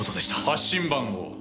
発信番号は？